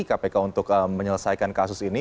kpk untuk menyelesaikan kasus ini